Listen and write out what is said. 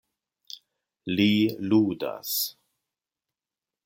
Li ludas.